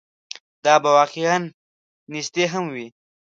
دا به واقعاً نیستي هم وي.